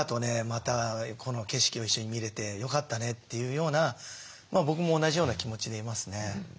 またこの景色を一緒に見れてよかったね」というような僕も同じような気持ちでいますね。